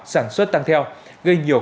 sản xuất tăng theo gây nhiều